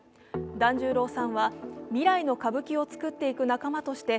團十郎さんは、未来の歌舞伎を作っていく仲間として